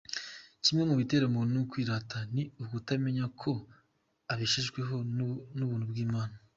Kimwe mu bitera umuntu kwirata ni ukutamenya ko abeshejweho n’ubuntu bw’Imana.